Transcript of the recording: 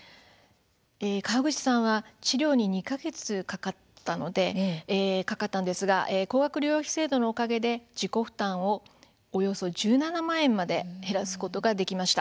川口さんは治療に２か月かかったのですが高額療養費制度のおかげで自己負担をおよそ１７万円まで減らすことができました。